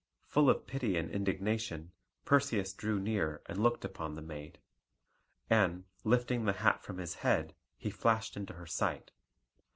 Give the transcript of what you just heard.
Full of pity and indignation, Perseus drew near and looked upon the maid. And, lifting the hat from his head, he flashed into her sight.